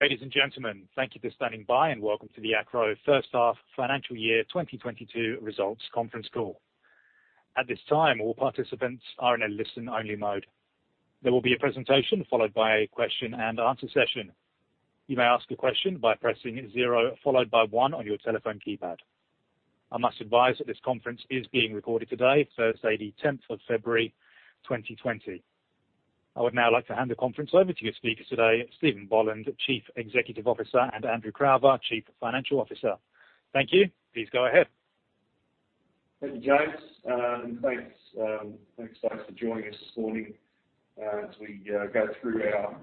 Ladies and gentlemen, thank you for standing by and welcome to the Acrow first 1/2 financial year 2022 results conference call. At this time, all participants are in a Listen-Only Mode. There will be a presentation followed by a Question-And-Answer session. You may ask a question by pressing 0 followed by 1 on your telephone keypad. I must advise that this conference is being recorded today, Thursday, the 10th of February 2022. I would now like to hand the conference over to your speakers today, Steven Boland, Chief Executive Officer, and Andrew Crowther, Chief Financial Officer. Thank you. Please go ahead. Thank you, James. Thanks for joining us this morning, as we go through our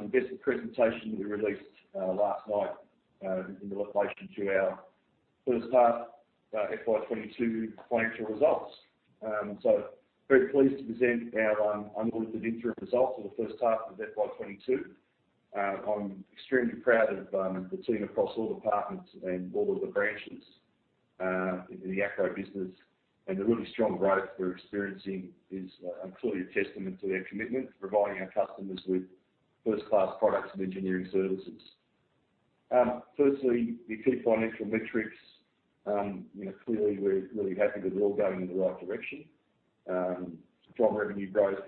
investor presentation we released last night in relation to our first 1/2 FY 2022 financial results. Very pleased to present our unaudited interim results for the first 1/2 of FY 2022. I'm extremely proud of the team across all departments and all of the branches in the Acrow business. The really strong growth we're experiencing is clearly a testament to their commitment to providing our customers with First-Class products and engineering services. Firstly, the key financial metrics. You know, clearly we're really happy that they're all going in the right direction. Strong revenue growth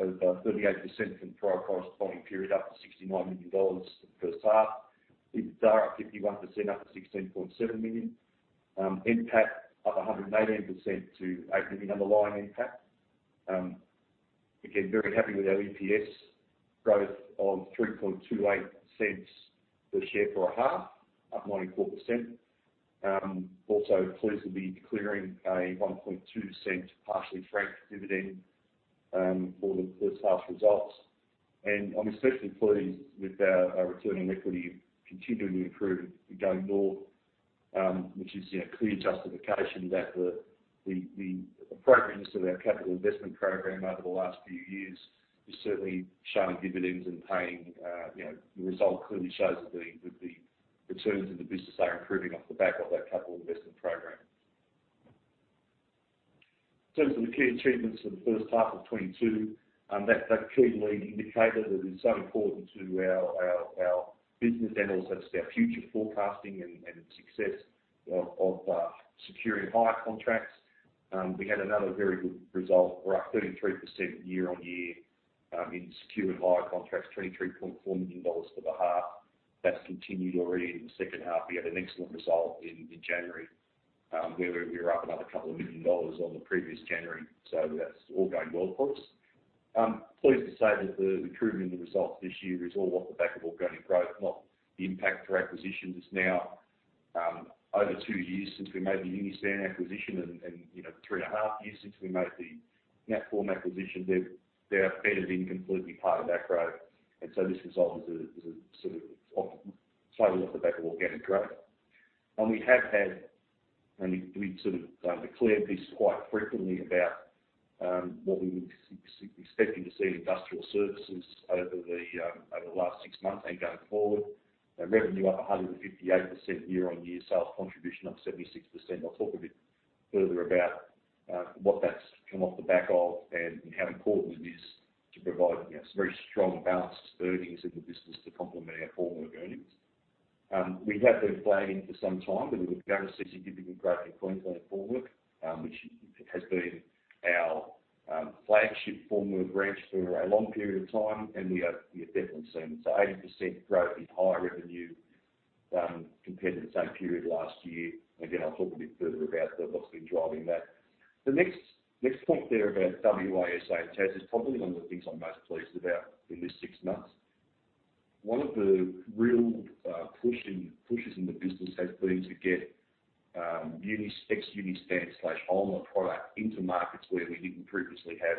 of 38% from prior corresponding period, up to 69 million dollars for the first 1/2. EBITDA is up 51%, up to 16.7 million. NPAT up 118% to 18 million underlying NPAT. Again, very happy with our EPS growth of 3.28 cents per share for 1/2, up 24%. Also pleased to be declaring a 1.2-cent partially franked dividend for the first 1/2's results. I'm especially pleased with our return on equity continually improving and going north, which is, you know, clear justification that the appropriateness of our capital investment program over the last few years is certainly showing dividends and paying, you know. The result clearly shows that the returns in the business are improving off the back of that capital investment program. In terms of the key achievements for the first 1/2 of 2022, that key leading indicator that is so important to our business and also to our future forecasting and success of securing hire contracts. We had another very good result. We're up 33% Year-On-Year in secured hire contracts, 23.4 million dollars for the 1/2. That's continued already in the second 1/2. We had an excellent result in January, where we were up another couple of million dollars on the previous January. That's all going well for us. Pleased to say that the improvement in the results this year is all off the back of organic growth, not the impact of acquisitions. It's now over 2 years since we made the Uni-span acquisition and, you know, 3.5 years since we made the Natform acquisition. They're bedded in completely part of Acrow. This result is solely off the back of organic growth. We sort of declared this quite frequently about what we were expecting to see in industrial services over the last 6 months and going forward. Revenue up 158% Year-On-Year. Sales contribution up 76%. I'll talk a bit further about what that's come off the back of and how important it is to provide, you know, some very strong balanced earnings in the business to complement our formwork earnings. We have been flagging for some time that we would have significant growth in Queensland formwork, which has been our flagship formwork branch for a long period of time, and we are definitely seeing it. 80% growth in hire revenue compared to the same period last year. Again, I'll talk a bit further about what's been driving that. The next point there about WA, SA, and Tas is probably one of the things I'm most pleased about in this 6 months. One of the real pushes in the business has been to get Uni-span/ULMA product into markets where we didn't previously have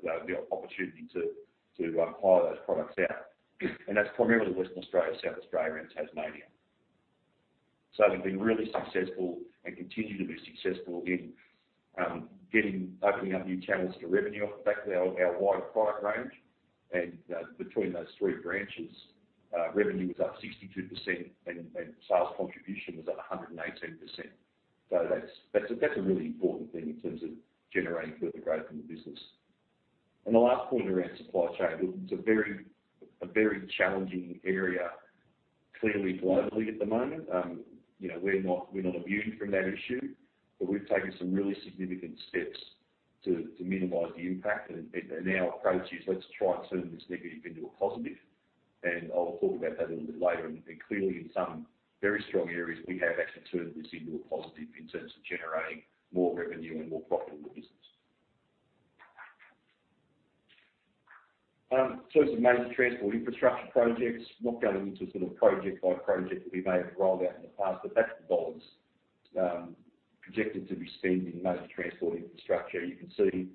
the opportunity to hire those products out. That's primarily Western Australia, South Australia, and Tasmania. We've been really successful and continue to be successful in opening up new channels to revenue off the back of our wide product range. Between those 3 branches, revenue was up 62% and sales contribution was up 118%. That's a really important thing in terms of generating further growth in the business. The last point around supply chain, it's a very challenging area, clearly globally at the moment. You know, we're not immune from that issue, but we've taken some really significant steps to minimize the impact. Our approach is let's try and turn this negative into a positive. I'll talk about that a little bit later. Clearly in some very strong areas, we have actually turned this into a positive in terms of generating more revenue and more profit in the business. In terms of major transport infrastructure projects, not going into a sort of project by project that we may have rolled out in the past, but that's Boland's projected to be spending major transport infrastructure. You can see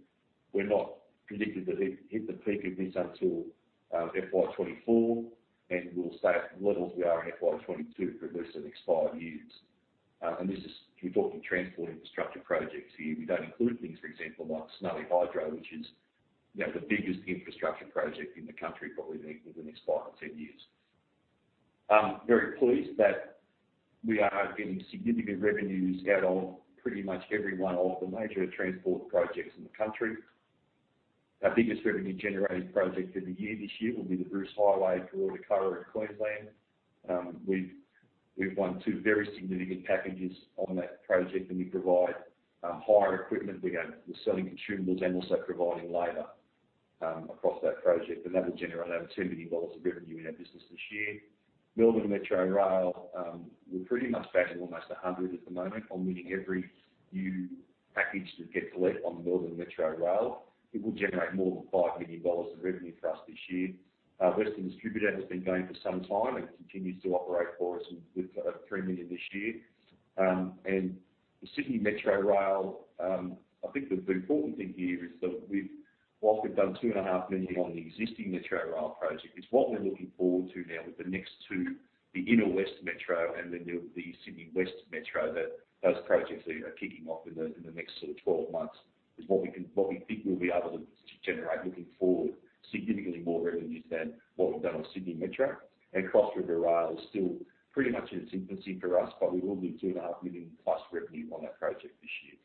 we're not predicted to hit the peak of this until FY 2024, and we'll stay at the levels we are in FY 2022 for at least the next 5 years. We're talking transport infrastructure projects here. We don't include things, for example, like Snowy Hydro, which is, you know, the biggest infrastructure project in the country, probably be within the next 5 or ten years. I'm very pleased that we are getting significant revenues out of pretty much every one of the major transport projects in the country. Our biggest revenue generating project of the year this year will be the Bruce Highway, Gympie to Curra in Queensland. We've won 2 very significant packages on that project, and we provide hire equipment. We are selling consumables and also providing labor across that project, and that will generate over 2 million dollars of revenue in our business this year. Melbourne Metro Rail, we're pretty much batting almost a hundred at the moment on winning every new package that gets let on the Melbourne Metro Rail. It will generate more than 5 million dollars of revenue for us this year. Western Distributor has been going for some time and continues to operate for us with 3 million this year. The Sydney Metro Rail, I think the important thing here is that whilst we've done 2.5 million on the existing Metro Rail project, it's what we're looking forward to now with the next 2, the Inner West Metro and the new, the Sydney West Metro, that those projects are, you know, kicking off in the next sort of 12 months, is what we can what we think we'll be able to to generate looking forward, significantly more revenues than what we've done on Sydney Metro. Cross River Rail is still pretty much in its infancy for us, but we will do 2.5 million plus revenue on that project this year.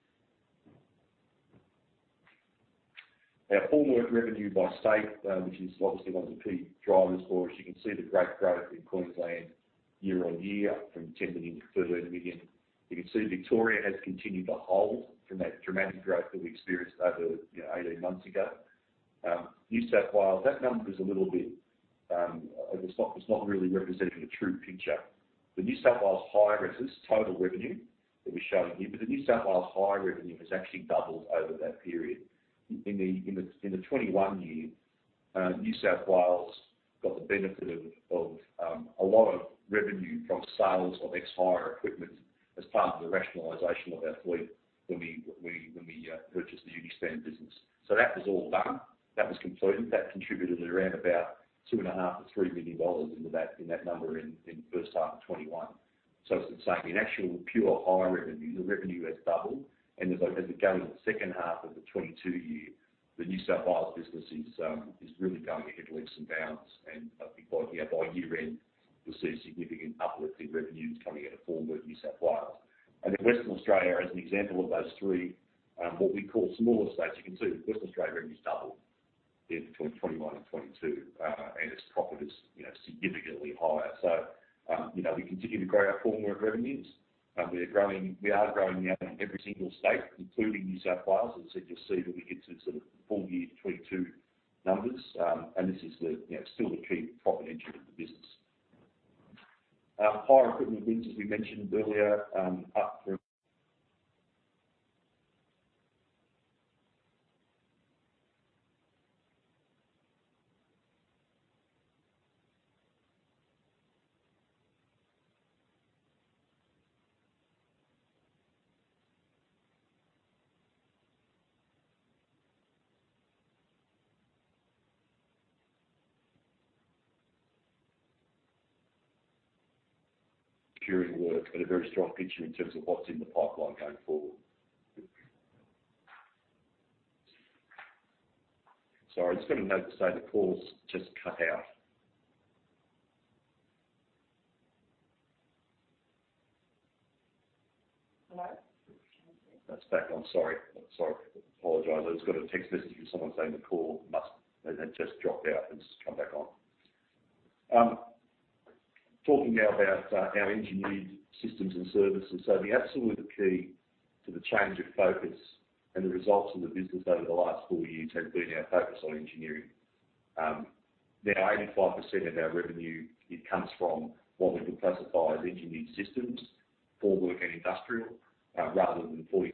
Our formwork revenue by state, which is obviously one of the key drivers for us. You can see the great growth in Queensland year on year from 10 million to 13 million. You can see Victoria has continued to hold from that dramatic growth that we experienced over, you know, 18 months ago. New South Wales, that number is a little bit, it's not really representing the true picture. The New South Wales hire versus total revenue that we're showing here, but the New South Wales hire revenue has actually doubled over that period. In the 2021 year, New South Wales got the benefit of a lot of revenue from sales of ex-hire equipment as part of the rationalization of our fleet when we purchased the Uni-span business. That was all done. That was completed. That contributed around about 2.5 to 3 million dollars into that, in that number in the first 1/2 of 2021. As I was saying, in actual pure hire revenue, the revenue has doubled. As we go into the second 1/2 of the 2022 year, the New South Wales business is really going to hit leaps and bounds and by year-end, you know, we'll see significant uplift in revenues coming out of Formwork New South Wales. Western Australia, as an example of those 3, what we call smaller states, you can see that Western Australia revenue's doubled between 2021 and 2022, and its profit is, you know, significantly higher. You know, we continue to grow our Formwork revenues, and we are growing now in every single state, including New South Wales, as you can see when we get to the full year 2022 numbers. This is, you know, still the key profit engine of the business. Hire equipment wins, as we mentioned earlier, up 40% during work and a very strong picture in terms of what's in the pipeline going forward. Sorry, I just got a note to say the call's just cut out. Hello? Can you hear me? It's back on. Sorry. Apologize. I just got a text message from someone saying the call had just dropped out and just come back on. Talking now about our engineered systems and services. The absolute key to the change of focus and the results of the business over the last four years has been our focus on engineering. Now 85% of our revenue, it comes from what we would classify as engineered systems, formwork and industrial, rather than the 43%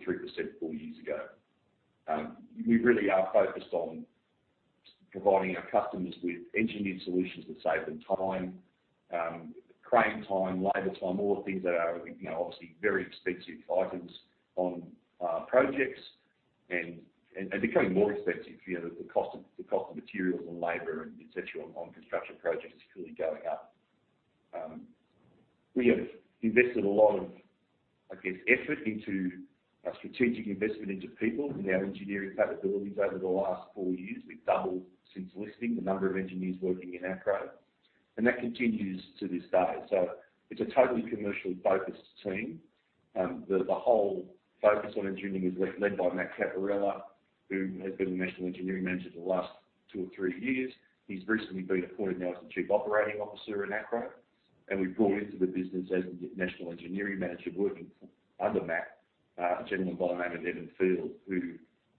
four years ago. We really are focused on providing our customers with engineered solutions that save them time, crane time, labor time, all the things that are, you know, obviously very expensive items on projects and they're becoming more expensive. You know, the cost of materials and labor and et cetera on construction projects is really going up. We have invested a lot of, I guess, effort into a strategic investment into people in our engineering capabilities over the last four years. We've doubled since listing the number of engineers working in Acrow, and that continues to this day. It's a totally commercially focused team. The whole focus on engineering is led by Matthew Cantarella, who has been the National Engineering Manager for the last 2 or 3 years. He's recently been appointed now as the Chief Operating Officer in Acrow, and we've brought into the business as the National Engineering Manager working under Matthew, a gentleman by the name of Evan Feild, who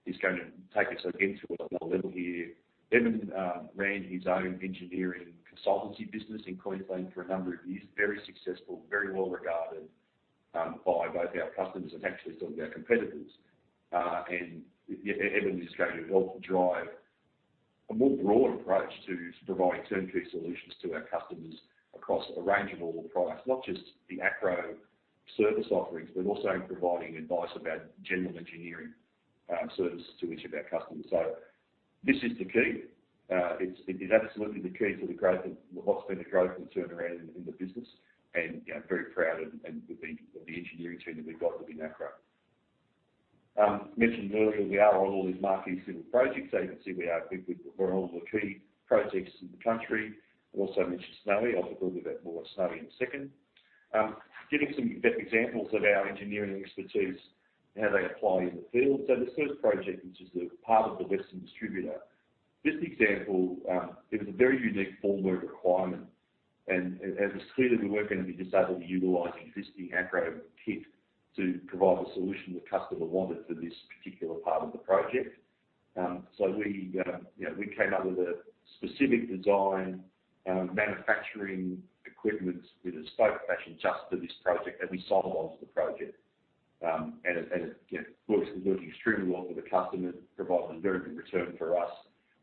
is going to take us again to another level here. Evan ran his own engineering consultancy business in Queensland for a number of years. Very successful, very well regarded by both our customers and actually some of our competitors. Evan is going to help drive a more broad approach to providing turnkey solutions to our customers across a range of all the products, not just the Acrow service offerings, but also providing advice about general engineering services to each of our customers. This is the key. It is absolutely the key to the growth and turnaround in the business, you know, very proud and with the engineering team that we've got within Acrow. Mentioned earlier, we are on all these marquee civil projects. You can see we're on all the key projects in the country. I also mentioned Snowy. I'll talk a bit more about Snowy in a second. I'm giving some examples of our engineering expertise and how they apply in the field. The first project, which is part of the Western Distributor—this example, it was a very unique formwork requirement, and it was clear that we weren't gonna be just able to utilize existing Acrow kit to provide the solution the customer wanted for this particular part of the project. We, you know, came up with a specific design and manufacturing equipment in a bespoke fashion just for this project, and we sold it onto the project. It, you know, working extremely well for the customer, it provided a very good return for us.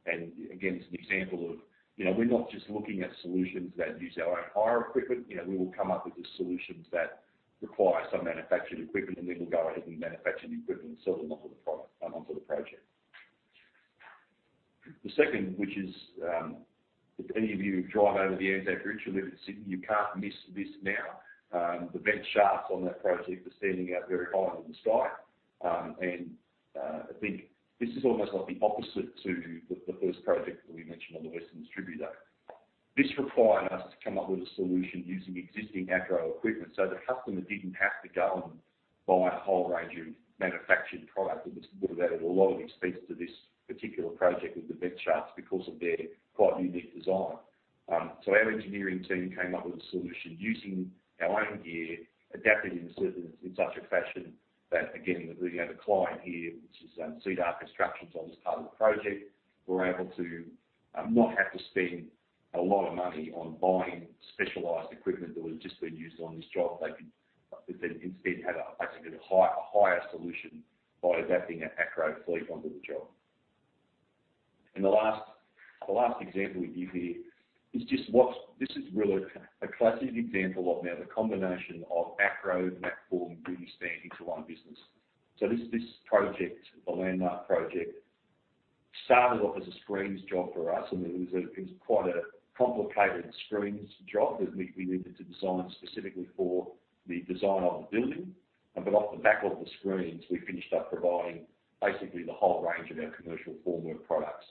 Again, it's an example of, you know, we're not just looking at solutions that use our own hire equipment. You know, we will come up with the solutions that require some manufactured equipment, and then we'll go ahead and manufacture the equipment and sell them onto the project. The second, which is, if any of you drive over the Anzac Bridge, you live in Sydney, you can't miss this now. The vent shafts on that project are standing out very high into the sky. I think this is almost like the opposite to the first project that we mentioned on the Western Distributor. This required us to come up with a solution using existing Acrow equipment, so the customer didn't have to go and buy a whole range of manufactured product that would've added a lot of expense to this particular project with the vent shafts because of their quite unique design. So our engineering team came up with a solution using our own gear, adapting the services in such a fashion that again, we have a client here, which is, uncertain, on this part of the project, we're able to, not have to spend a lot of money on buying specialized equipment that would've just been used on this job. They instead had a, basically a hi-hire solution by adapting an Acrow fleet onto the job. The last example we give here is just what. This is really a classic example of how the combination of Acrow, Natform, Uni-span into one business. This project, The Landmark project, started off as a screens job for us, and it was quite a complicated screens job that we needed to design specifically for the design of the building. But off the back of the screens, we finished up providing basically the whole range of our commercial formwork products,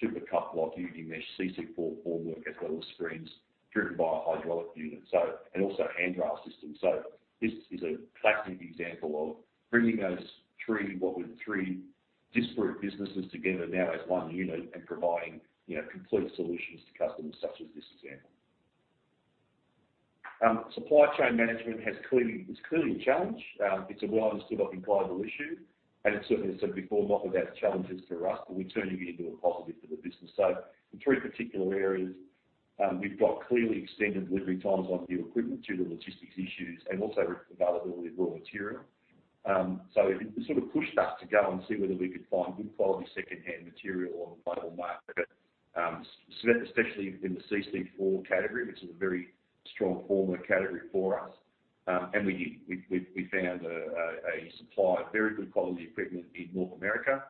timber and ply, like uncertain, CC4 formwork, as well as screens driven by a hydraulic unit, and also handrail systems. This is a classic example of bringing those 3, what were 3 disparate businesses together now as one unit and providing, you know, complete solutions to customers such as this example. Supply chain management is clearly a challenge. It's a well understood global issue, and it certainly has had a big form of challenges for us, but we're turning it into a positive for the business. In 3 particular areas, we've got clearly extended delivery times on new equipment due to logistics issues and also availability of raw material. It sort of pushed us to go and see whether we could find good quality second-hand material on the global market, especially in the CC4 category, which is a very strong formwork category for us. We found a supply of very good quality equipment in North America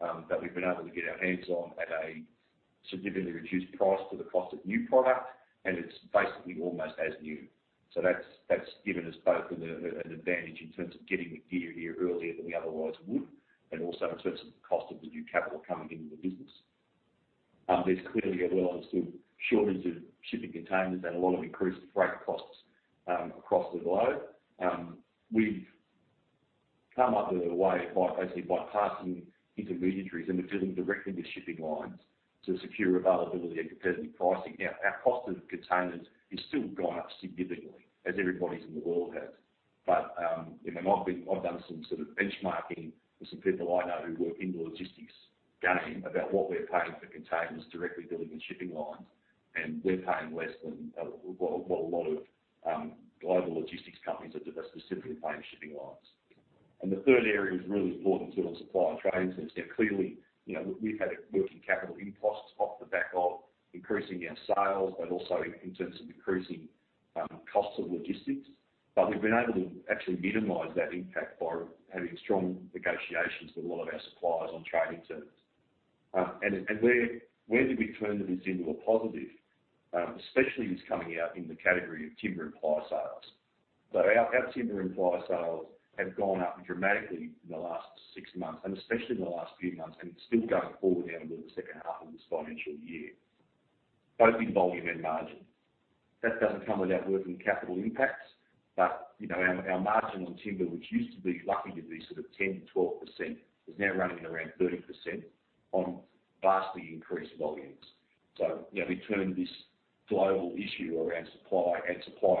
that we've been able to get our hands on at a significantly reduced price to the cost of new product, and it's basically almost as new. That's given us both an advantage in terms of getting the gear here earlier than we otherwise would, and also in terms of the cost of the new capital coming into the business. There's clearly a well-understood shortage of shipping containers and a lot of increased freight costs across the globe. We've come up with a way by passing intermediaries and dealing directly with shipping lines to secure availability and competitive pricing. Our cost of containers has still gone up significantly, as everybody in the world has. I've done some sort of benchmarking with some people I know who work in the logistics game about what we're paying for containers directly dealing with shipping lines, and we're paying less than a, well, what a lot of global logistics companies that are specifically paying shipping lines. The 1/3 area is really important to on supply and trading terms. Clearly, you know, we've had working capital in costs off the back of increasing our sales, but also in terms of increasing costs of logistics. We've been able to actually minimize that impact by having strong negotiations with a lot of our suppliers on trading terms. And where did we turn this into a positive? Especially is coming out in the category of Timber and Ply sales. Our Timber and Ply sales have gone up dramatically in the last 6 months, and especially in the last few months, and it's still going forward now into the second 1/2 of this financial year, both in volume and margin. That doesn't come without working capital impacts, but, you know, our margin on timber, which used to be lucky to be sort of 10, 12%, is now running around 30% on vastly increased volumes. You know, we turned this global issue around supply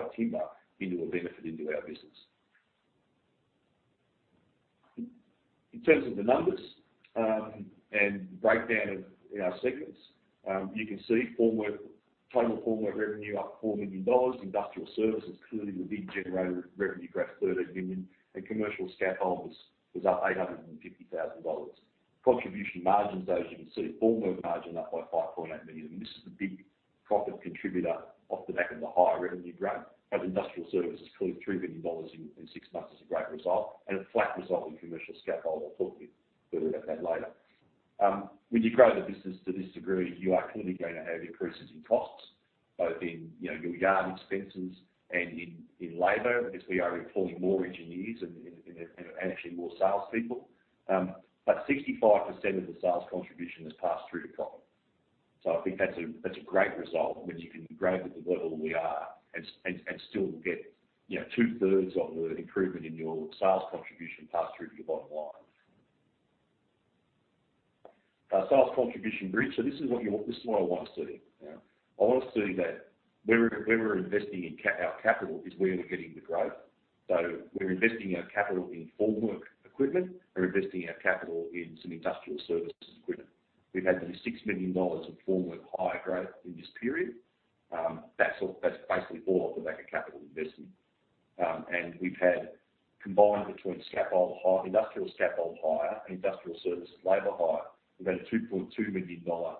of timber into a benefit into our business. In terms of the numbers, and breakdown in our segments, you can see Formwork, total Formwork revenue up 4 million dollars. Industrial Services, clearly the big generator of revenue growth, 13 million, and Commercial Scaffolds was up 850,000 dollars. Contribution margins, as you can see, formwork margin up by 5.8 million, and this is the big profit contributor off the back of the higher revenue growth. Industrial services, clearly 3 million dollars in 6 months is a great result, and a flat result in commercial scaffold. I'll talk a bit further about that later. When you grow the business to this degree, you are clearly gonna have increases in costs, both in, you know, your yard expenses and in labor, because we are employing more engineers and actually more salespeople. 65% of the sales contribution has passed through to COGS. I think that's a great result when you can grow at the level we are and still get, you know, 2-1/3s of the improvement in your sales contribution passed through to your bottom line. Sales contribution bridge. This is what I want to see. I want to see that where we're investing in our capital is where we're getting the growth. We're investing our capital in formwork equipment. We're investing our capital in some industrial services equipment. We've had nearly 6 million dollars of formwork hire growth in this period. That's basically all off the back of capital investment. We've had combined between industrial scaffold hire and industrial services labor hire, a 2.2 million dollar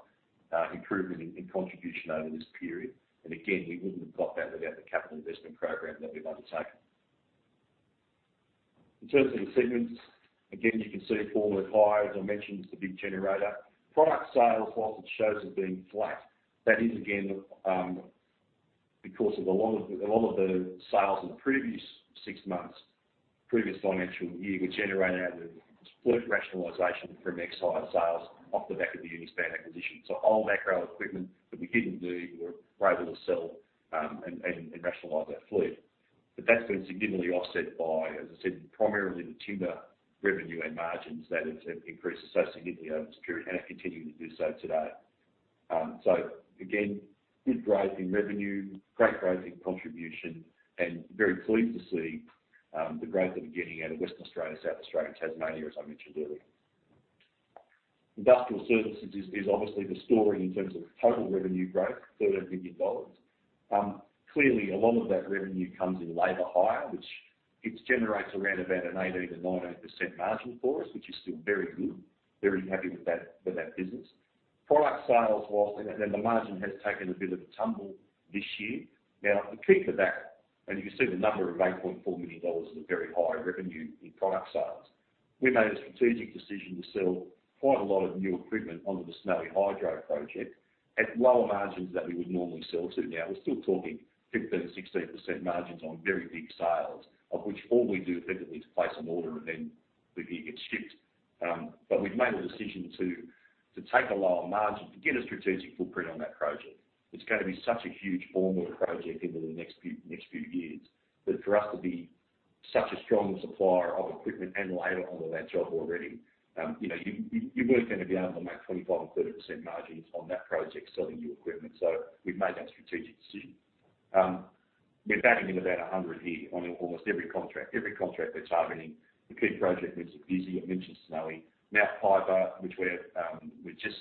improvement in contribution over this period. We wouldn't have got that without the capital investment program that we've undertaken. In terms of the segments, again, you can see formwork hire, as I mentioned, is the big generator. Product sales, while it shows as being flat, that is again because of a lot of the sales in the previous 6 months, previous financial year were generated out of fleet rationalization from ex-Uni-span sales off the back of the Uni-span acquisition. All that Acrow equipment that we didn't need, we were able to sell and rationalize our fleet. That's been significantly offset by, as I said, primarily the timber revenue and margins that have increased so significantly over this period, and are continuing to do so today. Again, good growth in revenue, great growth in contribution, and very pleased to see the growth that we're getting out of Western Australia, South Australia, and Tasmania, as I mentioned earlier. Industrial services is obviously the story in terms of total revenue growth, 13 million dollars. Clearly a lot of that revenue comes in labor hire, which it generates around about an 18%-19% margin for us, which is still very good. Very happy with that business. Product sales was and the margin has taken a bit of a tumble this year. Now the key to that, and you can see the number of 8.4 million dollars is a very high revenue in product sales. We made a strategic decision to sell quite a lot of new equipment onto the Snowy Hydro project at lower margins that we would normally sell to. Now, we're still talking 15%-16% margins on very big sales, of which all we do effectively is place an order and then the gear gets shipped. We've made the decision to take a lower margin to get a strategic footprint on that project. It's gonna be such a huge formwork project into the next few years, that for us to be such a strong supplier of equipment and labor onto that job already, you know, you weren't gonna be able to make 25% and 30% margins on that project selling your equipment. We've made that strategic decision. We're batting in about 100 here on almost every contract. Every contract that's happening. The key project wins are busy. I've mentioned Snowy. Mount Piper, which we're just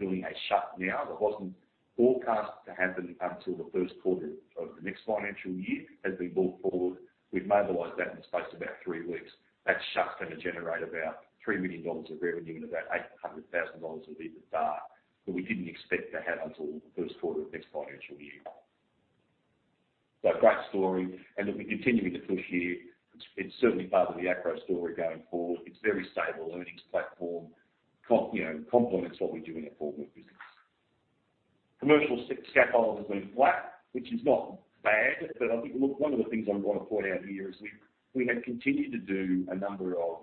doing a shutdown now, that wasn't forecast to happen until the first 1/4 of the next financial year, has been brought forward. We've mobilized that in the space of about 3 weeks. That shutdown's gonna generate about 3 million dollars of revenue and about 800,000 dollars of EBITDA that we didn't expect to have until the first 1/4 of next financial year. Great story, and that we're continuing to push here. It's certainly part of the Acrow story going forward. It's a very stable earnings platform, you know, complements what we do in our formwork business. Commercial scaffold has been flat, which is not bad, but I think, look, one of the things I want to point out here is we have continued to do a number of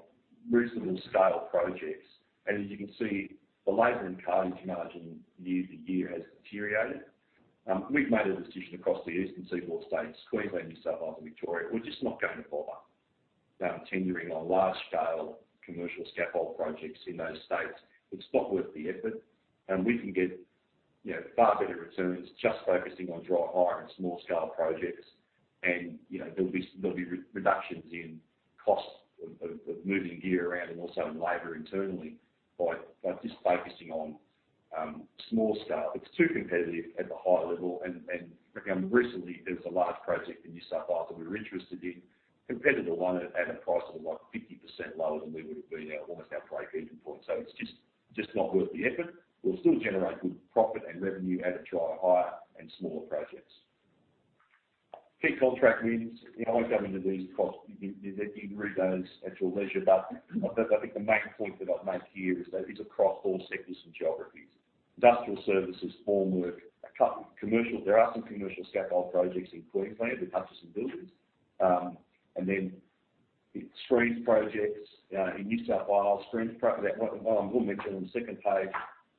reasonable scale projects. As you can see, the labor and cartage margin year-over-year has deteriorated. We've made a decision across the eastern seaboard states, Queensland, New South Wales, and Victoria. We're just not going to bother tendering on large scale commercial scaffold projects in those states. It's not worth the effort, and we can get, you know, far better returns just focusing on dry hire and small scale projects. You know there'll be reductions in costs of moving gear around and also in labor internally by just focusing on small scale. It's too competitive at the higher level. Again, recently, there was a large project in New South Wales that we were interested in. Competitor won it at a price of like 50% lower than we would have been at almost our break-even point. It's just not worth the effort. We'll still generate good profit and revenue out of dry hire and smaller projects. Key contract wins. I won't go into these because you can read those at your leisure, but I think the main point that I'd make here is that it's across all sectors and geographies. Industrial services, formwork, commercial. There are some commercial scaffold projects in Queensland with Hutchinson Builders. Screens projects in New South Wales. What I will mention on the second page,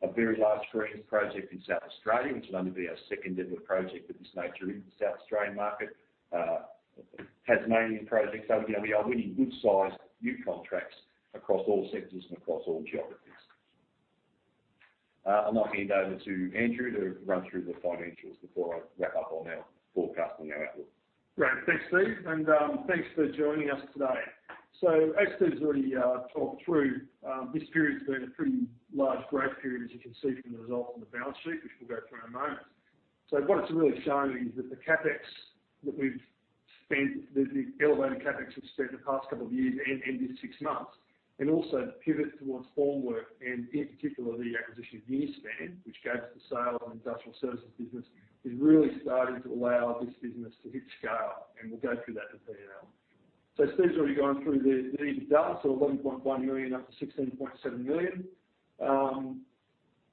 a very large screens project in South Australia, which will only be our second ever project of this nature in the South Australian market. Tasmanian projects. Again, we are winning good sized new contracts across all sectors and across all geographies. I'll now hand over to Andrew to run through the financials before I wrap up on our forecast and our outlook. Great. Thanks, Steve. Thanks for joining us today. As Steve's already talked through, this period's been a pretty large growth period, as you can see from the results on the balance sheet, which we'll go through in a moment. What it's really showing is that the CapEx that we've spent, the elevated CapEx we've spent the past couple of years and in this 6 months, and also the pivot towards formwork and in particular the acquisition of Uni-span, which goes to the sale of industrial services business, is really starting to allow this business to hit scale. We'll go through that in the P&L. Steve's already gone through the EBITDA, so 11.1 million up to 16.7 million.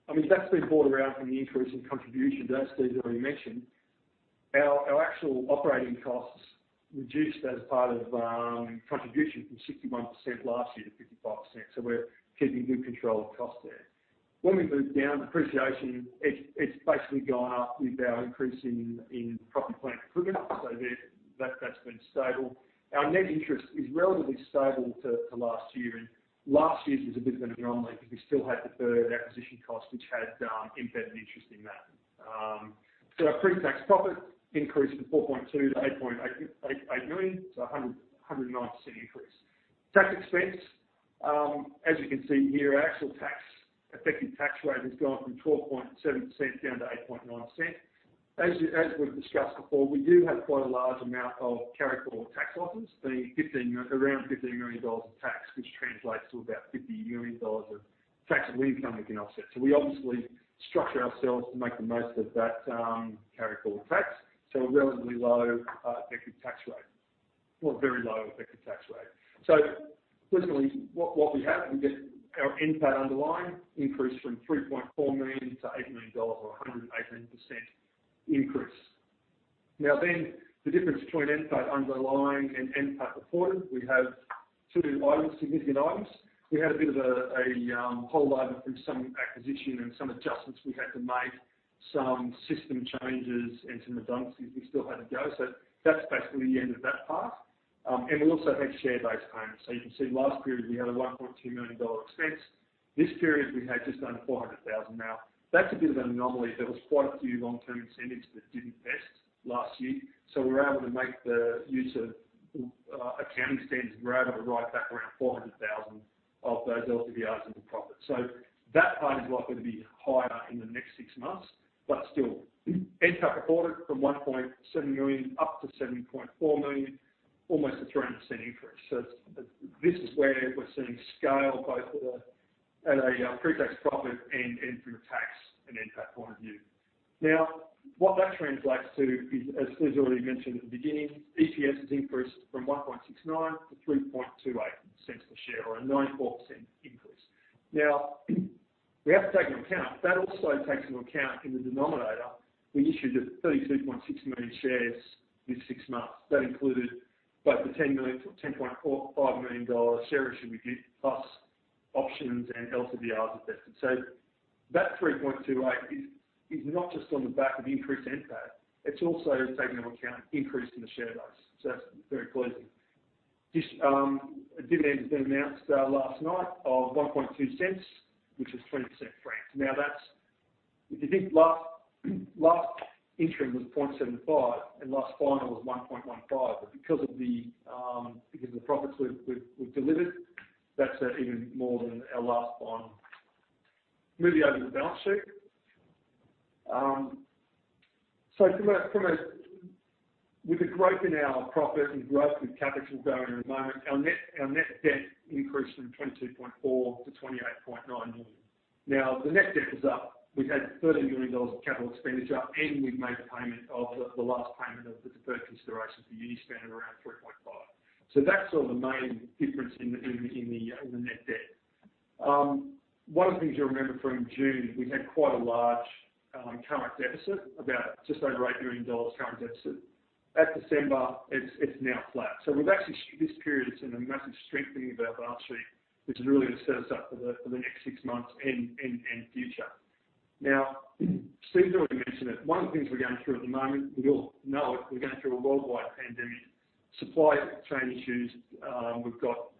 I mean, that's been brought around from the increase in contribution that Steve's already mentioned. Our actual operating costs reduced as part of contribution from 61% last year to 55%. We're keeping good control of costs there. When we move down, depreciation, it's basically gone up with our increase in property, plant, and equipment. That's been stable. Our net interest is relatively stable to last year, and last year's was a bit of an anomaly because we still had the 1/3 acquisition cost which had embedded interest in that. Our pre-tax profit increased from 4.2 million to 8.8 million, a 109% increase. Tax expense, as you can see here, our actual tax effective tax rate has gone from 12.7% down to 8.9%. As we've discussed before, we do have quite a large amount of carry forward tax losses, around 15 million dollars of tax, which translates to about 50 million dollars of tax we've come against that. We obviously structure ourselves to make the most of that carry forward tax, so a relatively low effective tax rate, or very low effective tax rate. Personally, what we have, we get our NPAT underlying increased from 3.4 million to 8 million dollars or 118% increase. Now then, the difference between NPAT underlying and NPAT reported, we have 2 significant items. We had a bit of a holdover from some acquisition and some adjustments we had to make, some system changes and some advances we still had to go. That's basically the end of that part. We also had share-based payments. You can see last period we had an 1.2 million dollar expense. This period, we had just under 400,000. Now that's a bit of an anomaly. There was quite a few long-term incentives that didn't vest last year, so we were able to make use of accounting standards. We're able to write back around 400,000 of those LTIs into profit. That part is likely to be higher in the next 6 months, but still NPAT reported from 1.7 million-7.4 million, almost a 300% increase. This is where we're seeing scale both at a pre-tax profit and through tax and NPAT point of view. What that translates to is, as Steve already mentioned at the beginning, EPS has increased from 1.69 to 3.28 cents a share or a 9.8% increase. We have to take into account that also takes into account in the denominator, we issued 32.6 million shares this 6 months. That included both the 10 million to 10.45 million dollar share issue we did, plus options and LTIs invested. That 3.28 is not just on the back of increased NPAT. It's also taking into account increase in the share base. That's very pleasing. This dividend has been announced last night of 0.012, which is 20% franked. Now that's. If you think last interim was 0.0075 and last final was 0.0115, but because of the profits we've delivered, that's even more than our last one. Moving over to the balance sheet. So from a. With the growth in our profit and growth with capital going at the moment, our net debt increased from 22.4 million to 28.9 million. Now, the net debt is up. We've had 13 million dollars of CapEx, and we've made the last payment of the purchase consideration for Uni-span of around 3.5 million. That's sort of the main difference in the net debt. One of the things you'll remember from June, we had quite a large current deficit, about just over 8 million dollars. At December, it's now flat. This period has been a massive strengthening of our balance sheet, which is really gonna set us up for the next 6 months and future. Steve's already mentioned it. One of the things we're going through at the moment, we all know it, we're going through a worldwide pandemic, supply chain issues, we've got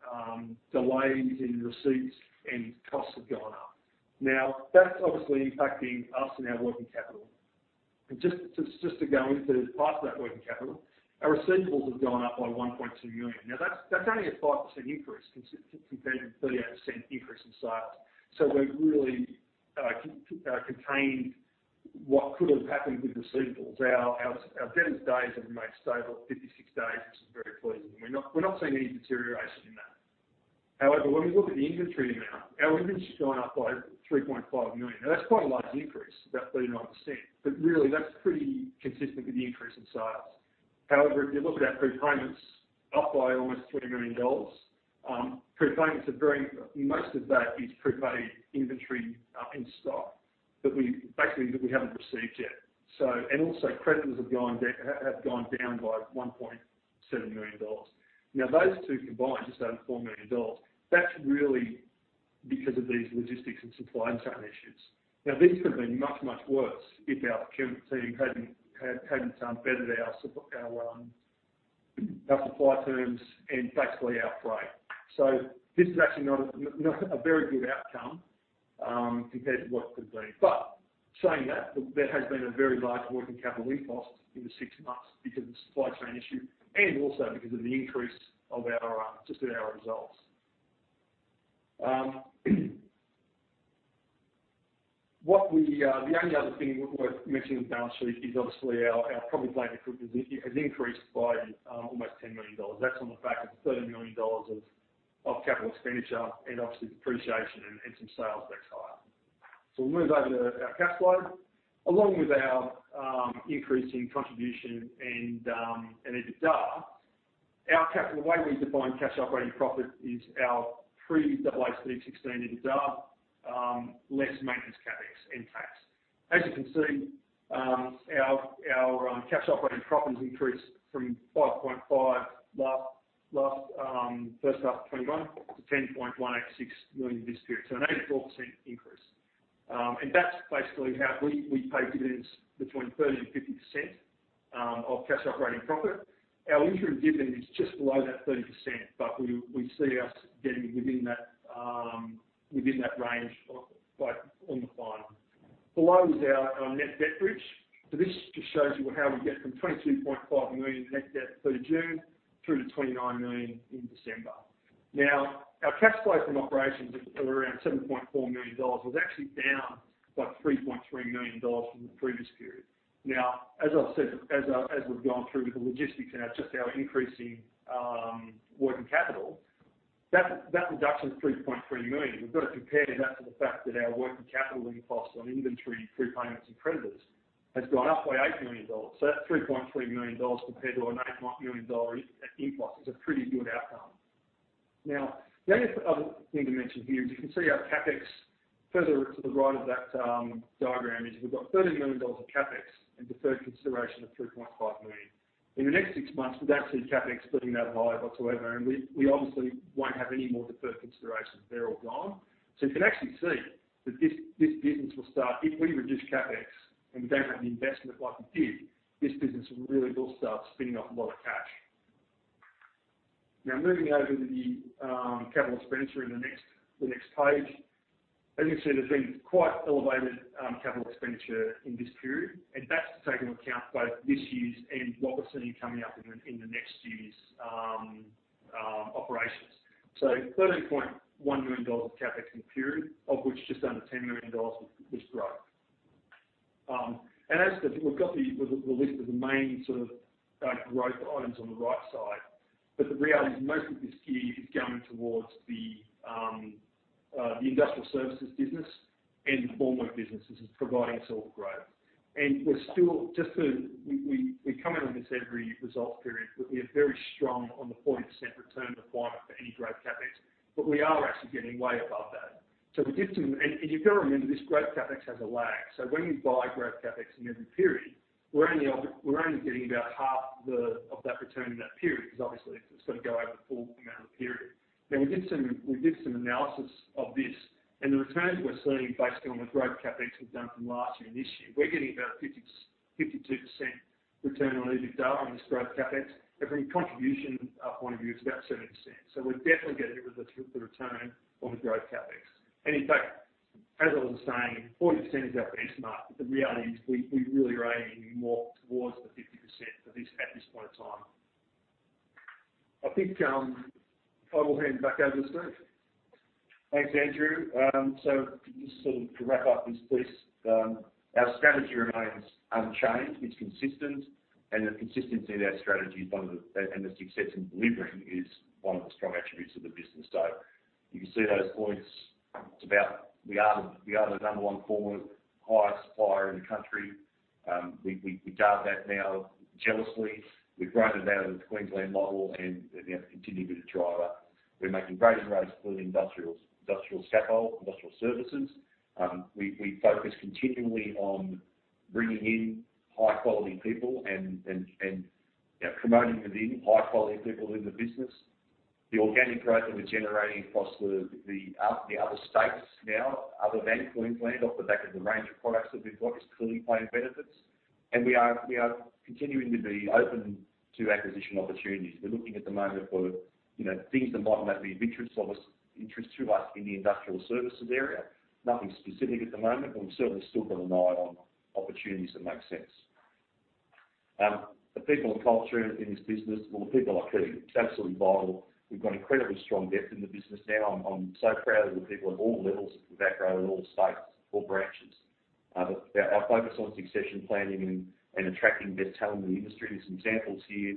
delays in receipts and costs have gone up. That's obviously impacting us and our working capital. Just to go into parts of that working capital, our receivables have gone up by 1.2 million. Now that's only a 5% increase compared to the 38% increase in sales. We've really contained what could have happened with receivables. Our debtors days have remained stable at 56 days, which is very pleasing. We're not seeing any deterioration in that. However, when we look at the inventory amount, our inventory's gone up by 3.5 million. Now that's quite a large increase, about 39%. Really, that's pretty consistent with the increase in sales. However, if you look at our prepayments, up by almost 3 million dollars. Prepayments are very. Most of that is prepaid inventory in stock that we basically haven't received yet. Creditors have gone down by 1.7 million dollars. Those 2 combined, just under 4 million dollars, that's really because of these logistics and supply chain issues. This could have been much worse if our procurement team hadn't bettered our supply terms and basically our freight. This is actually not a very good outcome compared to what it could be. Saying that, there has been a very large working capital increase in the 6 months because of the supply chain issue and also because of the increase of our just with our results. The only other thing worth mentioning in the balance sheet is obviously our property, plant and equipment has increased by almost 10 million dollars. That's on the back of 13 million dollars of capital expenditure and obviously depreciation and some sales mix higher. We'll move over to our cash flow. Along with our increase in contribution and EBITDA. Our capital, the way we define cash operating profit is our pre-AASB 16 EBITDA, less maintenance CapEx and tax. As you can see, our cash operating profit has increased from 5.5 last first 1/2 of 2021 to 10.186 million this period, so an 84% increase. And that's basically how we pay dividends between 30% and 50% of cash operating profit. Our interim dividend is just below that 30%, but we see us getting within that range of like on the climb. Below is our net debt bridge. This just shows you how we get from 22.5 million net debt through to June, through to 29 million in December. Now, our cash flow from operations of around 7.4 million dollars was actually down by 3.3 million dollars from the previous period. Now, as I've said, as we've gone through with the logistics and just our increasing working capital, that reduction of 3.3 million, we've got to compare that to the fact that our working capital inflows on inventory, prepayments and creditors has gone up by 8 million dollars. That 3.3 million dollars compared to an 8 million dollar inflow is a pretty good outcome. Now, the only other thing to mention here is you can see our CapEx further to the right of that diagram is we've got 13 million dollars of CapEx and deferred consideration of 3.5 million. In the next 6 months, we don't see CapEx being that high whatsoever, and we obviously won't have any more deferred considerations. They're all gone. You can actually see that this business will start spinning off a lot of cash if we reduce CapEx, and we don't have the investment like we did. Now, moving over to the capital expenditure in the next page. As you can see, there's been quite elevated capital expenditure in this period, and that's to take into account both this year's and what we're seeing coming up in the next year's operations. 13.1 million dollars of CapEx in the period, of which just under 10 million dollars was growth. We've got the list of the main sort of growth items on the right side. The reality is most of this gear is going towards the industrial services business and the formwork business. This is providing us all the growth. We're still just we comment on this every result period, but we are very strong on the 40% return requirement for any growth CapEx, but we are actually getting way above that. You've got to remember, this growth CapEx has a lag. When you buy growth CapEx in every period, we're only getting about 1/2 of that return in that period because obviously it's got to go over the full amount of the period. Now, we did some analysis of this, and the returns we're seeing based on the growth CapEx we've done from last year and this year, we're getting about 52% return on EBITDA on this growth CapEx. But from a contribution point of view, it's about 70%. We're definitely getting the return on the growth CapEx. In fact, as I was saying, 40% is our benchmark, but the reality is we really are aiming more towards the 50% for this, at this point in time. I think, I will hand back over to Steven. Thanks, Andrew. Just to wrap up this piece, our strategy remains unchanged. It's consistent, and the consistency in our strategy is one of the, and the success in delivering is one of the strong attributes of the business. You can see those points. It's about we are the number one formwork hire supplier in the country. We guard that now jealously. We've grown it out of the Queensland model and, you know, continue to drive up. We're making great inroads through the industrials, industrial scaffolding, industrial services. We focus continually on bringing in high-quality people and, you know, promoting within high-quality people in the business. The organic growth that we're generating across the other states now, other than Queensland, off the back of the range of products that we've got is clearly paying benefits. We are continuing to be open to acquisition opportunities. We're looking at the moment for, you know, things that might be of interest to us in the industrial services area. Nothing specific at the moment, but we've certainly still got an eye on opportunities that make sense. The people and culture in this business, well, the people are key. It's absolutely vital. We've got incredibly strong depth in the business now. I'm so proud of the people at all levels of Acrow in all states or branches. Our focus on succession planning and attracting the best talent in the industry. There's some examples here.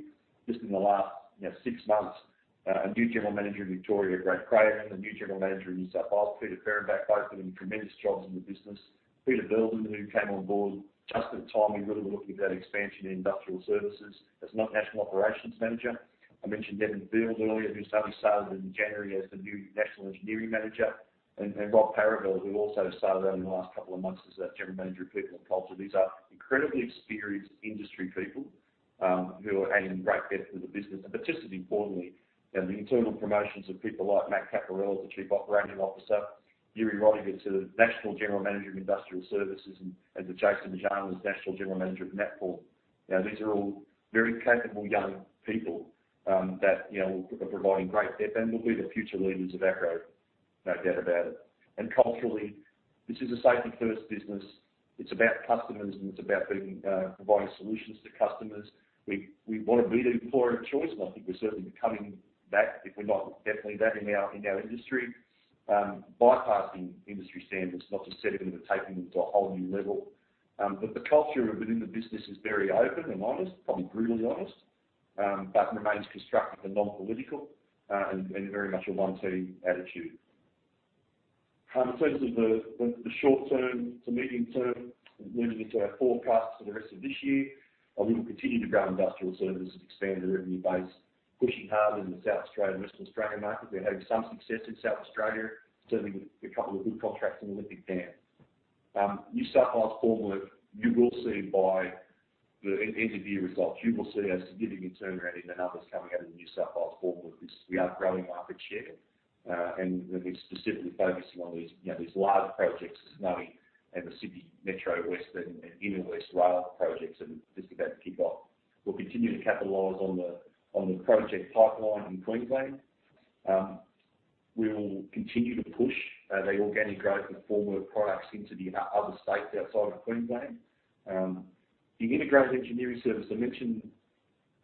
Just in the last, you know, 6 months, a new General Manager in Victoria, Brad Craven, a new General Manager in New South Wales, Peter Fehrenbach, both doing tremendous jobs in the business. Peter Belcher, who came on board just at the time we really were looking at expansion in industrial services as National Operations Manager. I mentioned Evan Field earlier, who started in January as the new National Engineering Manager. Robert Parovel, who also started only in the last couple of months as our General Manager of People and Culture. These are incredibly experienced industry people, who are adding great depth to the business. But just as importantly, you know, the internal promotions of people like Matthew Caporella as the Chief Operating Officer, Jurie Roets to the National General Manager of Industrial Services, and Jason Jarman as National General Manager of Natform. Now, these are all very capable young people, that, you know, are providing great depth and will be the future leaders of Acrow. No doubt about it. Culturally, this is a safety first business. It's about customers, and it's about providing solutions to customers. We wanna be the employer of choice, and I think we're certainly becoming that, if we're not definitely that in our industry. Bypassing industry standards, not just setting them, but taking them to a whole new level. The culture within the business is very open and honest, probably brutally honest, but remains constructive and Non-political, and very much a one team attitude. In terms of the short term to medium term, moving into our forecast for the rest of this year, we will continue to grow industrial services and expand the revenue base, pushing hard in the South Australia and Western Australia market. We're having some success in South Australia, serving a couple of good contracts in Olympic Dam. New South Wales formwork, you will see by the end of year results, you will see a significant turnaround in the numbers coming out of the New South Wales formwork business. We are growing market share, and we're specifically focusing on these, you know, these large projects, Snowy and the Sydney Metro, Western and Inner West rail projects that are just about to kick off. We'll continue to capitalize on the project pipeline in Queensland. We will continue to push the organic growth of formwork products into the other states outside of Queensland. The integrated engineering service I mentioned,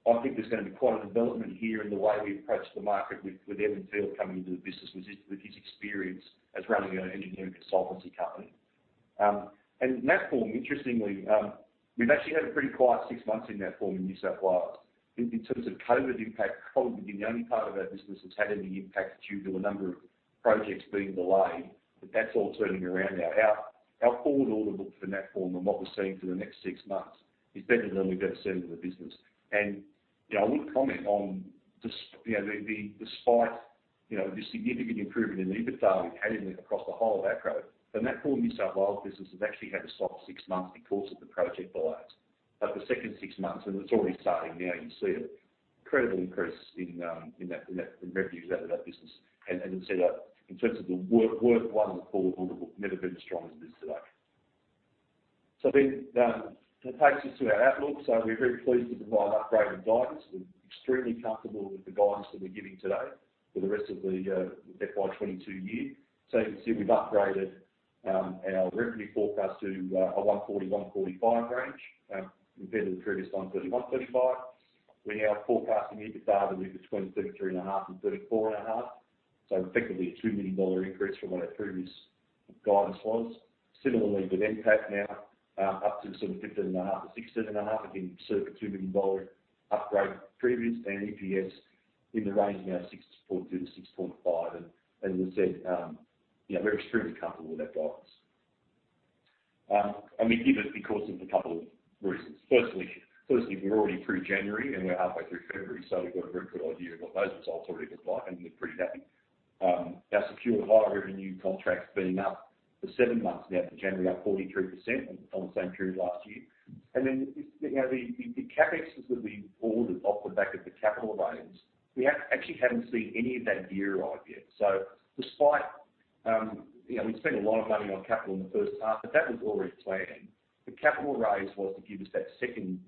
I think there's gonna be quite a development here in the way we approach the market with Evan Field coming into the business with his experience as running an engineering consultancy company. Natform, interestingly, we've actually had a pretty quiet 6 months in Natform in New South Wales. In terms of COVID impact, probably been the only part of our business that's had any impact due to a number of projects being delayed, but that's all turning around now. Our forward order book for Natform and what we're seeing for the next 6 months is better than we've ever seen in the business. You know, I wouldn't comment on des-- you know, despite you know, the significant improvement in EBITDA we've had across the whole of Acrow, the Natform New South Wales business has actually had a soft 6 months because of the project delays. The second 6 months, and it's already starting now, you'll see an incredible increase in revenues out of that business. As I said, in terms of the work won in the forward order book, never been as strong as it is today. That takes us to our outlook. We're very pleased to provide upgraded guidance. We're extremely comfortable with the guidance that we're giving today for the rest of the FY 2022 year. You can see we've upgraded our revenue forecast to a 140-145 range, compared to the previous 130-135. We're now forecasting EBITDA to be between 33.5 million and 34.5 million, so effectively a 2 million dollar increase from what our previous guidance was. Similarly with NPAT now, up to sort of 15.5-16.5, again, circa 2 million dollar upgrade to previous, and EPS in the range now of 6.2-6.5. As I said, you know, we're extremely comfortable with that guidance. We give it because of a couple of reasons. Firstly, we're already through January, and we're 1/2way through February, so we've got a very good idea of what those results already look like, and we're pretty happy. Our secure higher revenue contracts been up for 7 months now to January, up 43% on the same period last year. You know, the CapEx is gonna be ordered off the back of the capital raise. Actually haven't seen any of that gear arrive yet. Despite, you know, we've spent a lot of money on capital in the first 1/2, but that was already planned. The capital raise was to give us that second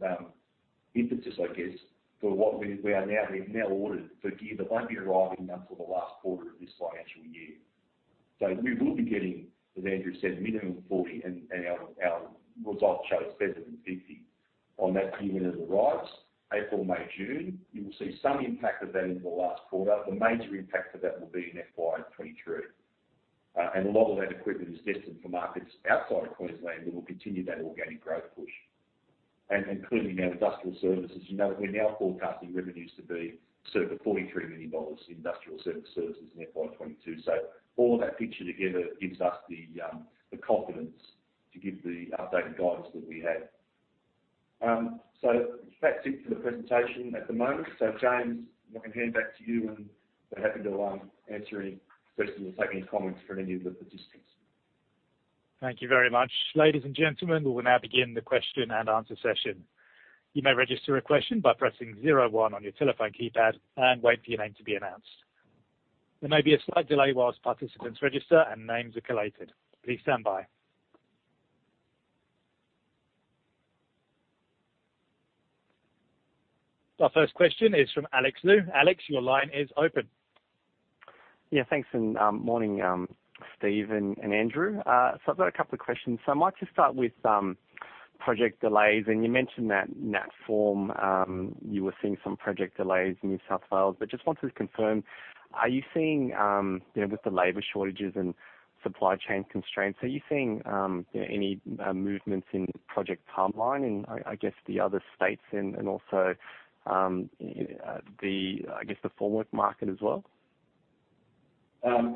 impetus, I guess, for what we are now. We've now ordered gear that won't be arriving till the last 1/4 of this financial year. We will be getting, as Andrew said, minimum 40%, and our results show better than 50% on that gear when it arrives, April, May, June. You will see some impact of that in the last 1/4. The major impact of that will be in FY 2023. A lot of that equipment is destined for markets outside of Queensland, and we'll continue that organic growth push. Clearly now industrial services, you know, we're now forecasting revenues to be circa 43 million dollars in industrial services in FY 2022. All of that picture together gives us the confidence to give the updated guidance that we have. That's it for the presentation at the moment. James, I can hand back to you, and we're happy to answer any questions or take any comments from any of the participants. Thank you very much. Ladies and gentlemen, we will now begin the question and answer session. You may register a question by pressing zero one on your telephone keypad and wait for your name to be announced. There may be a slight delay while participants register and names are collated. Please stand by. Our first question is from Alexander Lu. Alex, your line is open.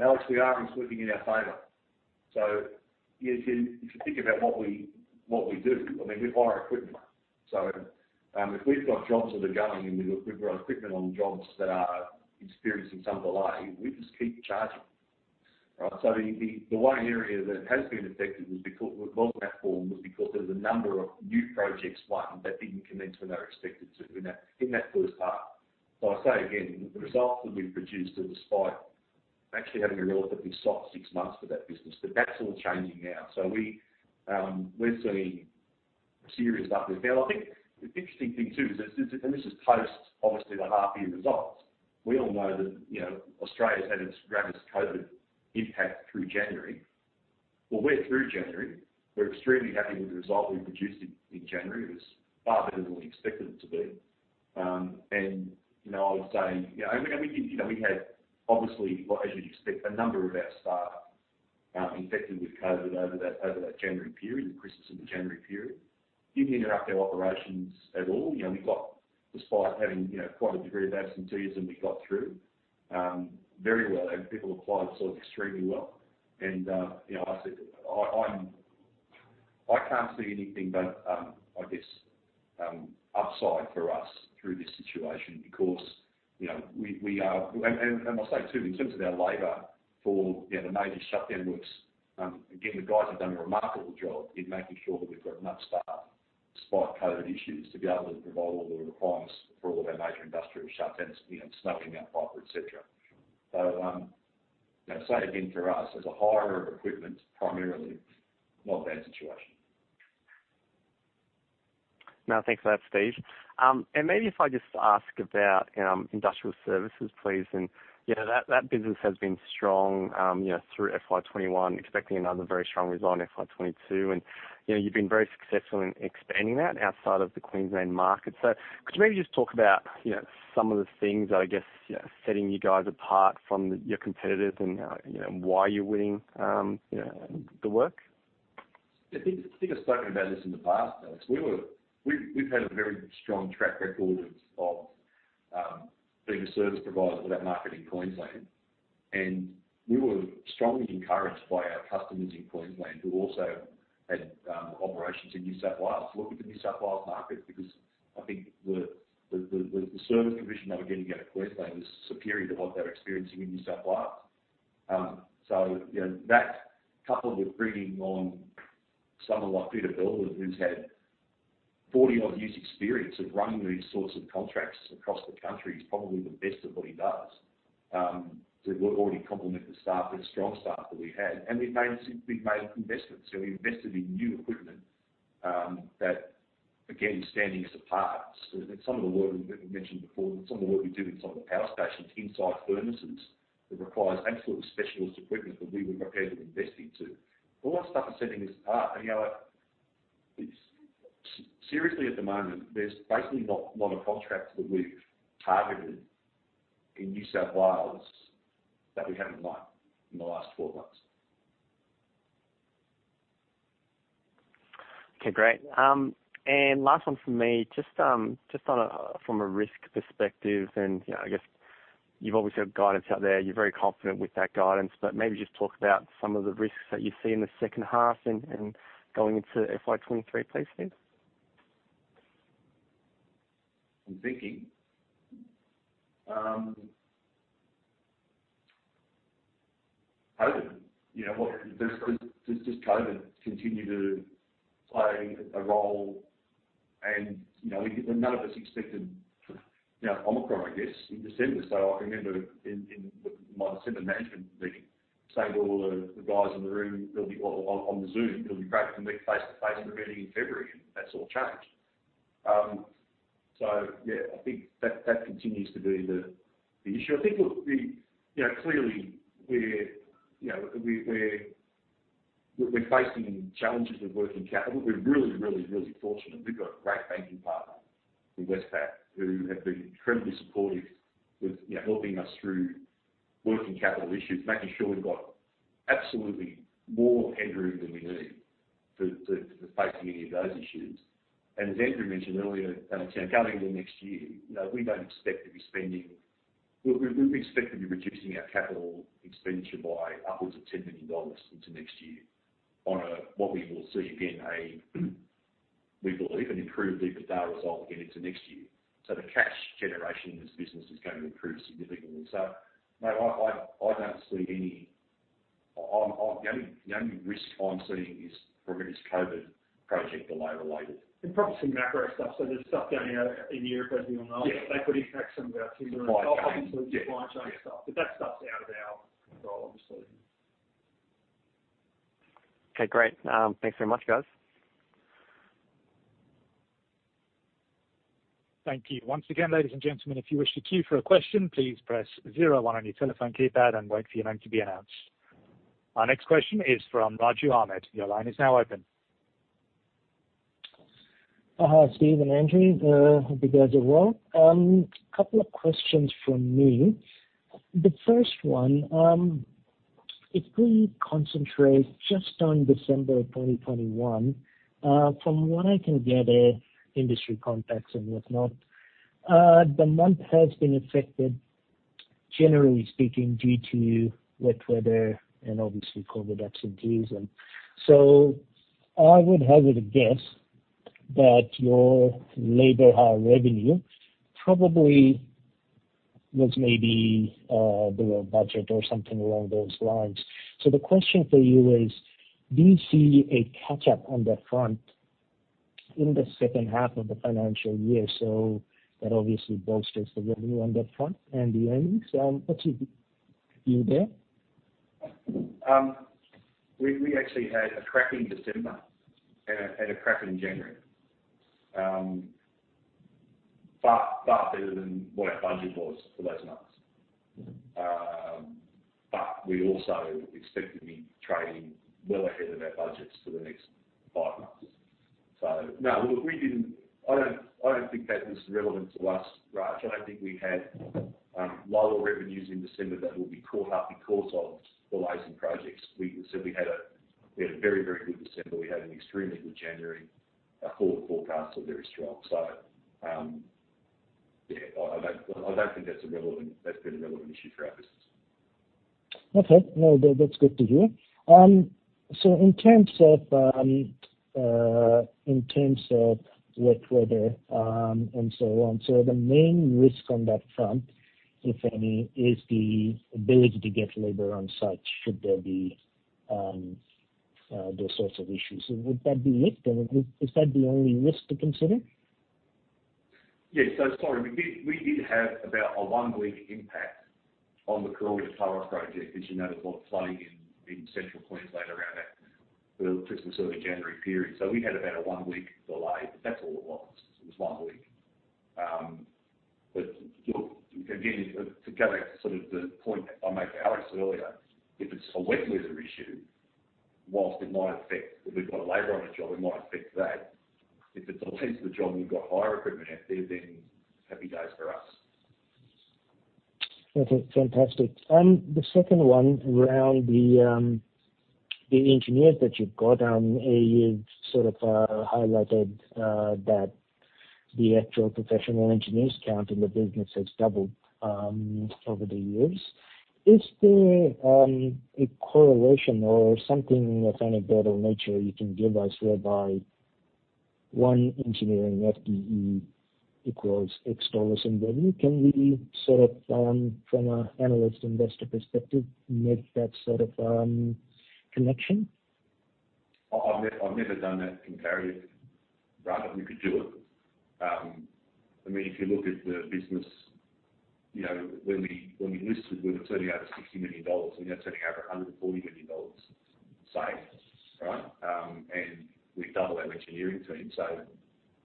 Alex, we are, and it's working in our favor. If you think about what we do, I mean, we hire equipment. If we've got jobs that are going and we've got equipment on jobs that are experiencing some delay, we just keep charging. Right? The one area that has been affected was Natform, because there's a number of new projects won that didn't commence when they were expected to in that first 1/2. I say again, the results that we've produced are despite actually having a relatively soft 6 months for that business. That's all changing now. We're seeing serious upward trend. I think the interesting thing too is, and this is post, obviously, the 1/2 year results, we all know that, you know, Australia's had its greatest COVID impact through January. Well, we're through January. We're extremely happy with the result we produced in January. It was far better than we expected it to be. And you know, I would say, you know, and we, you know, we had obviously, well, as you'd expect, a number of our staff infected with COVID over that January period, the Christmas and the January period. Didn't interrupt our operations at all. You know, Despite having, you know, quite a degree of absenteeism, we got through very well, and people applied sort of extremely well. You know, I said I'm... I can't see anything but, I guess, upside for us through this situation because, you know, and I'll say too, in terms of our labor for, you know, the major shutdown works. Again, the guys have done a remarkable job in making sure that we've got enough staff despite COVID issues to be able to provide all the requirements for all of our major industrial shutdowns, you know, Snowy, Mount Piper, et cetera. You know, so again for us as a hirer of equipment primarily, not a bad situation. No, thanks for that, Steve. Maybe if I just ask about industrial services, please. You know, that business has been strong, you know, through FY 2021, expecting another very strong result in FY 2022. You know, you've been very successful in expanding that outside of the Queensland market. Could you maybe just talk about, you know, some of the things that are, I guess, you know, setting you guys apart from your competitors and, you know, why you're winning, you know, the work? Yeah. I think I've spoken about this in the past, Alex. We've had a very strong track record of being a service provider for that market in Queensland. We were strongly encouraged by our customers in Queensland, who also had operations in New South Wales, to look at the New South Wales market because I think the service provision they were getting out of Queensland was superior to what they were experiencing in New South Wales. You know, that coupled with bringing on someone like Peter Belcher, who's had 40-odd years experience of running these sorts of contracts across the country, he's probably the best at what he does, to already complement the staff and strong staff that we had. We've made investments. We invested in new equipment that again is setting us apart. Some of the work that we mentioned before, but some of the work we do in some of the power stations inside furnaces that requires absolutely specialist equipment that we were prepared to invest into. All that stuff is setting us apart. You know what? It's seriously at the moment, there's basically not a lot of contracts that we've targeted in New South Wales that we haven't won in the last four months. Okay, great. Last one from me, just from a risk perspective, you know, I guess you've obviously got guidance out there. You're very confident with that guidance, but maybe just talk about some of the risks that you see in the second 1/2 and going into FY 2023, please, Steve. I'm thinking. COVID. You know, what... Does COVID continue to play a role? None of us expected, you know, Omicron, I guess, in December. I can remember in my December management meeting saying to all the guys in the room, "It'll be all on Zoom. It'll be great to meet face-to-face in a meeting in February," and that's all changed. Yeah, I think that continues to be the issue. I think, look, we, you know, clearly we're facing challenges with working capital. We're really fortunate. We've got a great banking partner in Westpac who have been incredibly supportive with, you know, helping us through working capital issues, making sure we've got absolutely more headroom than we need for facing any of those issues. As Andrew mentioned earlier, you know, going into next year, you know, we expect to be reducing our capital expenditure by upwards of 10 million dollars into next year on what we will see again, we believe an improved EBITDA result again into next year. The cash generation in this business is going to improve significantly. Mate, I don't see any. The only risk I'm seeing is probably this COVID project delay related. Probably some macro stuff. There's stuff going on in Europe, as we all know. Yeah. That could impact some of our timber and Supply chain. Obviously supply chain stuff. That stuff's out of our control, obviously. Okay, great. Thanks very much, guys. Thank you. Once again, ladies and gentlemen, if you wish to queue for a question, please press zero one on your telephone keypad and wait for your name to be announced. Our next question is from Raju Ahmed with CCZ Equities. Your line is now open. Hi, Steven and Andrew. Hope you guys are well. Couple of questions from me. The first one, if we concentrate just on December of 2021, from what I can gather, industry contacts and whatnot, the month has been affected, generally speaking, due to wet weather and obviously COVID absenteeism. I would hazard a guess that your labor hire revenue probably was maybe below budget or something along those lines. The question for you is, do you see a catch-up on that front in the second 1/2 of the financial year, so that obviously bolsters the revenue on that front and the earnings? What's your view there? We actually had a cracking December and a cracking January, far better than what our budget was for those months. We also expect to be trading well ahead of our budgets for the next 5 months. No. Look, we didn't. I don't think that is relevant to us, Raj. I don't think we had lower revenues in December that will be caught up because of delays in projects. We simply had a very good December. We had an extremely good January. Our forward forecasts are very strong. I don't think that's a relevant issue for our business. Okay. No, that's good to hear. So in terms of wet weather, and so on, the main risk on that front, if any, is the ability to get labor on site should there be those sorts of issues. Would that be it? Is that the only risk to consider? Yes. Sorry. We did have about a 1-week impact on the Carmila to Clara project because, you know, there's a lot of flooding in central Queensland around that early Christmas, early January period. We had about a 1-week delay. That's all it was. It was 1 week. Look, again, to go back to sort of the point that I made to Alex earlier, if it's a wet weather issue, while it might affect if we've got labor on a job, it might affect that. If it delays the job and we've got hire equipment out there, then happy days for us. Okay, fantastic. The second one around the engineers that you've got, you sort of, highlighted, that the actual professional engineers count in the business has doubled, over the years. Is there, a correlation or something of any better nature you can give us whereby one engineering FTE equals AUD X in revenue? Can we sort of, from a analyst investor perspective, make that sort of, connection? I've never done that comparative, Raj. You could do it. I mean, if you look at the business, you know, when we listed, we were turning over 60 million dollars. We're now turning over 140 million dollars say, right? We've doubled our engineering team.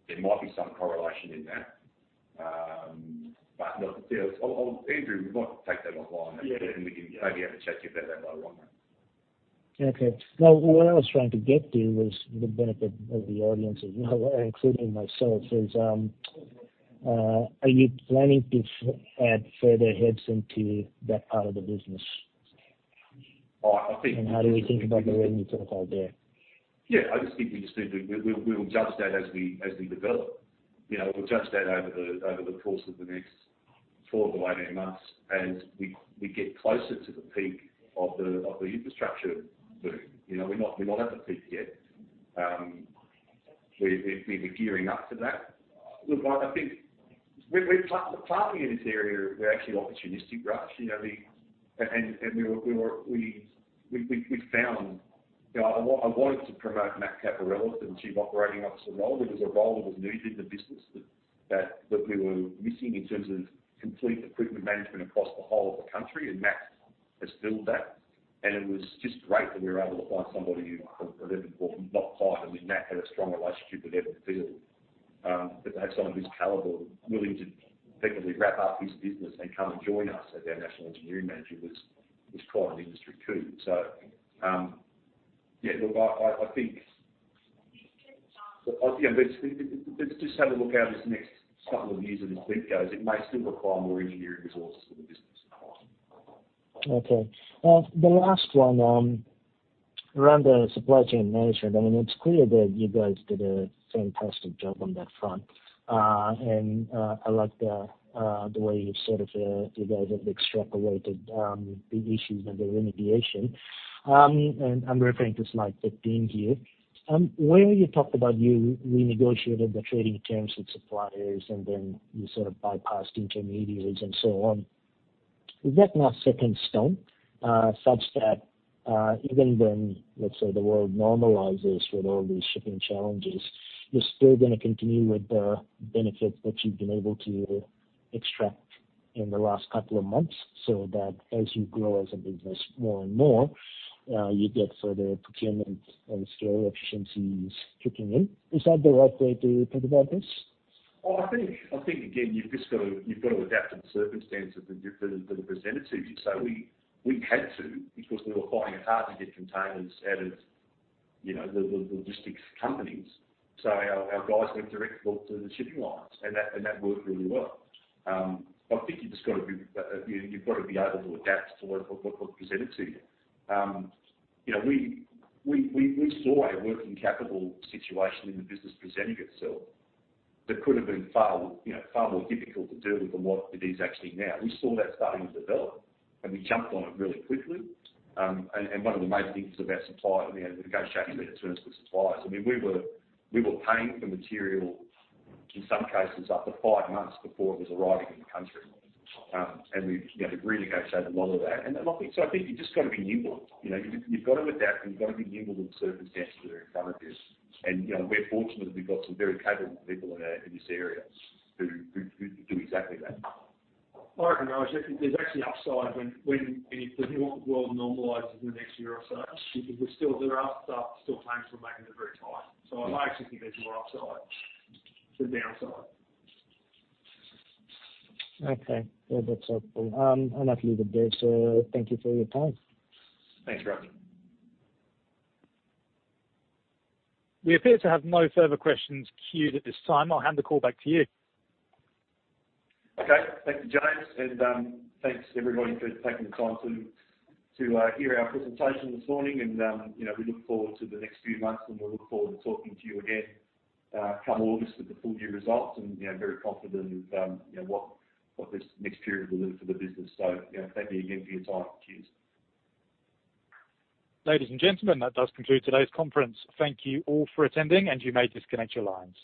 There might be some correlation in that. Look, yeah, I'll Andrew, we might take that offline. Yeah. We can maybe have a chat to you about that one, Raj. Okay. No, what I was trying to get to was the benefit of the audience, you know, including myself, is, are you planning to add further heads into that part of the business? Oh, I think. How do we think about the revenue profile there? Yeah, I just think we just need to. We will judge that as we develop. You know, we'll judge that over the course of the next 12-18 months as we get closer to the peak of the infrastructure boom. You know, we're not at the peak yet. We're gearing up to that. Look, I think planning in this area, we're actually opportunistic, Raj. You know, we've found. You know, I wanted to promote Matthew Caporella to the Chief Operating Officer role because the role was needed in the business that we were missing in terms of complete equipment management across the whole of the country, and Matt has filled that. It was just great that we were able to find somebody. Well, not quite. I mean, Matt had a strong relationship with Evan Field. But to have someone of his caliber willing to effectively wrap up his business and come and join us as our national engineering manager was quite an industry coup. Yeah, look. But yeah, let's just have a look how this next couple of years of this peak goes. It may still require more engineering resources for the business going on. Okay. The last one, around the supply chain management, I mean, it's clear that you guys did a fantastic job on that front. I like the way you've sort of, you guys have extrapolated the issues and the remediation. I'm referring to slide 15 here. Where you talked about you renegotiated the trading terms with suppliers, and then you sort of bypassed intermediaries and so on. Is that now set in stone, such that, even when, let's say, the world normalizes with all these shipping challenges, you're still gonna continue with the benefits that you've been able to extract in the last couple of months so that as you grow as a business more and more, you get further procurement and scale efficiencies kicking in? Is that the right way to think about this? Well, I think again, you've got to adapt to the circumstances that are presented to you. We had to, because we were finding it hard to get containers out of, you know, the logistics companies. Our guys went directly to talk to the shipping lines, and that worked really well. I think you've got to be able to adapt to what's presented to you. You know, we saw a working capital situation in the business presenting itself that could have been far more difficult to deal with than what it is actually now. We saw that starting to develop, and we jumped on it really quickly. One of the major things about supply, I mean, negotiating better terms with suppliers, I mean, we were paying for material, in some cases, up to 5 months before it was arriving in the country. We've, you know, renegotiated a lot of that. Look, I think you've just got to be nimble. You know, you've got to adapt and you've got to be nimble to the circumstances that are in front of you. You know, we're fortunate that we've got some very capable people in this area who do exactly that. I reckon, Raju, there's actually upside when the world normalizes in the next year or so because there are still plans we're making that are very tight. So I actually think there's more upside than downside. Okay. Well, that's helpful. I might leave it there, so thank you for your time. Thanks, Raj. We appear to have no further questions queued at this time. I'll hand the call back to you. Okay. Thank you, James. Thanks everybody for taking the time to hear our presentation this morning. You know, we look forward to the next few months, and we look forward to talking to you again, come August with the full year results. You know, very confident in, you know, what this next period will do for the business. You know, thank you again for your time. Cheers. Ladies and gentlemen, that does conclude today's conference. Thank you all for attending, and you may disconnect your lines.